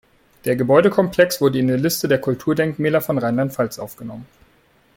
Der Gebäudekomplex wurde in die Liste der Kulturdenkmäler von Rheinland-Pfalz aufgenommen.